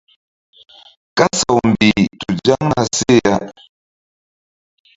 Kasaw mbih tu zaŋ na seh ya.